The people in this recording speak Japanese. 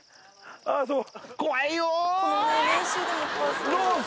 ああそう。